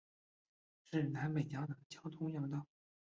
是南北疆的交通要道。